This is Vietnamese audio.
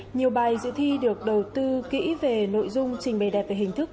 nhiều bài dự thi được đầu tư kỹ về nội dung trình bày đẹp về hình thức